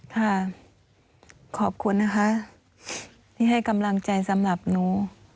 ค่ะขอบคุณนะคะที่ให้กำลังใจสำหรับหนู